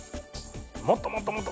もっともっともっと。